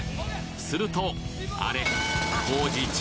するとあれ？